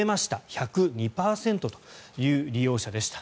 １０２％という利用者でした。